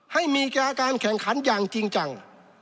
ให้มีการแข่งขันอย่างจริงจัง